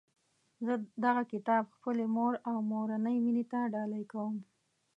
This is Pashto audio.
زه دغه کتاب خپلي مور او مورنۍ میني ته ډالۍ کوم